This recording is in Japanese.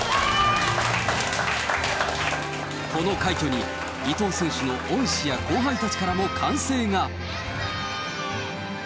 この快挙に、伊藤選手の恩師や後輩たちからも歓声が。